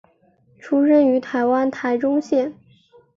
出生于台湾台中县。